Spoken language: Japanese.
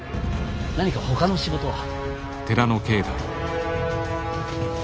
何かほかの仕事は。